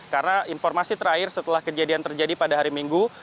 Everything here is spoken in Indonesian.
karena informasi terakhir setelah kejadian terjadi pada hari minggu